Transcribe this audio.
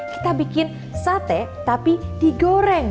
kita bikin sate tapi digoreng